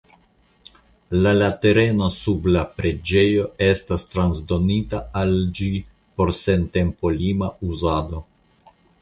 La la tereno sub la preĝejo estas transdonita al ĝi por sentempolima uzado.